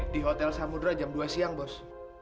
di hotel samudera jam dua siang bos